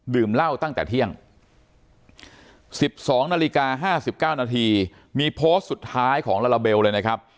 เหล้าตั้งแต่เที่ยง๑๒นาฬิกา๕๙นาทีมีโพสต์สุดท้ายของลาลาเบลเลยนะครับ